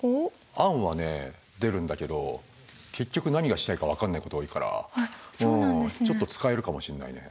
案はね出るんだけど結局何がしたいか分かんないこと多いからちょっと使えるかもしれないね。